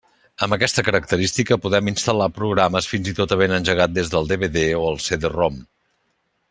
Amb aquesta característica podem instal·lar programes fins i tot havent engegat des de DVD o CD-ROM.